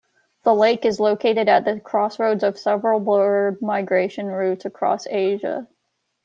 The lake is located at the crossroads of several bird migration routes across Asia.